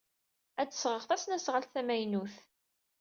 Ad d-sɣeɣ tasnasɣalt tamaynut.